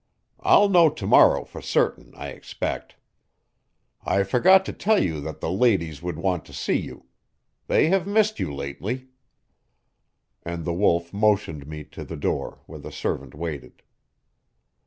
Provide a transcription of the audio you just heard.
I'll know to morrow for certain, I expect. I forgot to tell you that the ladies would want to see you. They have missed you lately." And the Wolf motioned me to the door where the servant waited.